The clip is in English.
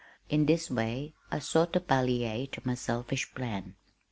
In this way I sought to palliate my selfish plan.